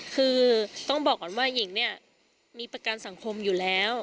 คือต้องบอกก่อนว่าหญิงเนี่ยมีประกันสังคมอยู่แล้ว